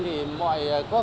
thì mọi quốc gia giao thông